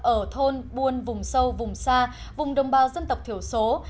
ở thôn buôn vùng sâu vùng xa vùng đồng bào dân tộc thiểu số